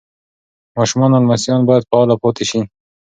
ماشومان او لمسیان باید فعاله پاتې شي.